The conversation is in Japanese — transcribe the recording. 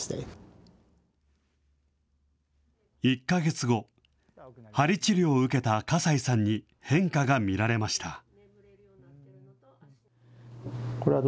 １か月後、はり治療を受けた笠井さんに、変化が見られました。